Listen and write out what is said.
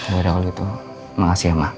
boleh dong gitu makasih ya ma